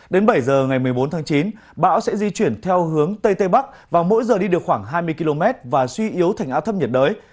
đến bảy giờ ngày một mươi bốn tháng chín bão sẽ di chuyển theo hướng tây tây bắc và mỗi giờ đi được khoảng hai mươi km và suy yếu thành áp thấp nhiệt đới